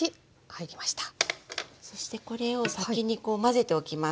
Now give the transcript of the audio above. そしてこれを先にこう混ぜておきます。